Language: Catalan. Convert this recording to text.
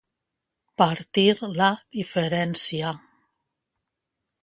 Partir la diferència.